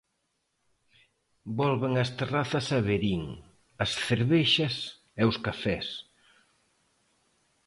Volven as terrazas a Verín, as cervexas e os cafés.